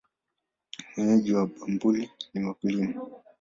Wenyeji wa Bumbuli ni wakulima.